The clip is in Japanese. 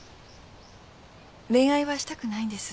恋愛はしたくないんです。